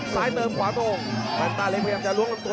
เติมขวาตรงแฟนตาเล็กพยายามจะล้วงลำตัว